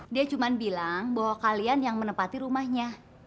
dia cuma bilang bahwa kalian yang menempati rumahnya